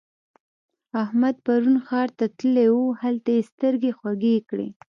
احمد پرون ښار ته تللی وو؛ هلته يې سترګې خوږې کړې.